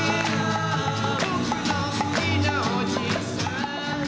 「ぼくの好きなおじさん」